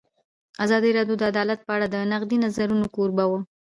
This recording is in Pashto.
ازادي راډیو د عدالت په اړه د نقدي نظرونو کوربه وه.